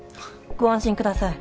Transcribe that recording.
ご安心ください。